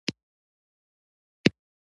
بوټو له بنسټپالو سره اړیکي ټینګ کړل.